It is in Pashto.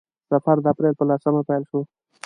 سفر د اپریل په لسمه پیل شو.